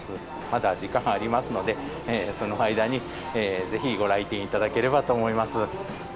まだ時間ありますので、その間にぜひご来店いただければと思います。